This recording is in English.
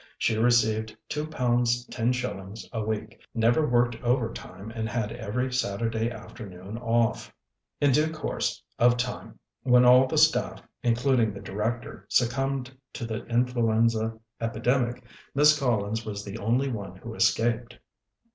She received two pounds ten shil lings a week, never worked overtime, and had every Saturday afternoon off. In due course of time, when all the staff, including the Director, succumbed 1919 THE DIAL 239 to the influenza epidemic, Miss Collins was the only one who escaped.